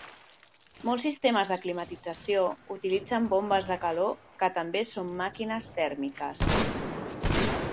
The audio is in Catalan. Molts sistemes de climatització utilitzen bombes de calor que també són màquines tèrmiques.